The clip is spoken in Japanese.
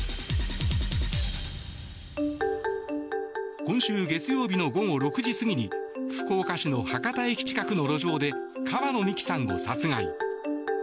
今週月曜日の午後６時過ぎに福岡市の博多駅近くの路上で川野美樹さんを殺害。